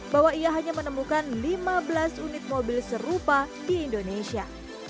bahwa ia hanya menemukan lima belas unit mobil serupa di indonesia